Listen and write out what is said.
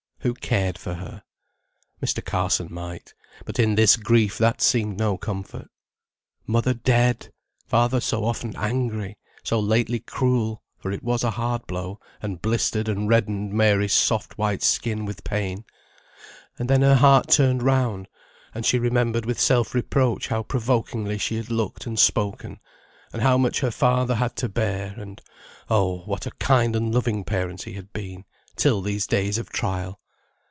Who cared for her? Mr. Carson might, but in this grief that seemed no comfort. Mother dead! Father so often angry, so lately cruel (for it was a hard blow, and blistered and reddened Mary's soft white skin with pain): and then her heart turned round, and she remembered with self reproach how provokingly she had looked and spoken, and how much her father had to bear; and oh, what a kind and loving parent he had been, till these days of trial.